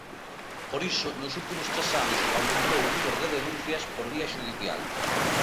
Por iso, nos últimos tres anos aumentou o número de denuncias por vía xudicial.